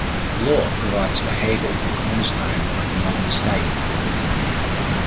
Law provides for Hegel the cornerstone of the modern state.